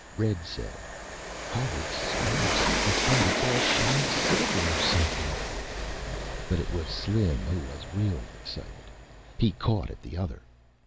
Red said, "Holy Smokes. Look at that. It's all shiny silver or something." But it was Slim who was really excited. He caught at the other.